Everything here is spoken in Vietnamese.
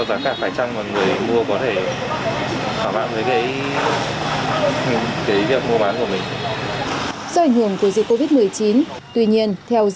giá cả phải chăng mà người mua có thể bảo bạn với cái cái việc mua bán của mình do ảnh hưởng của dịch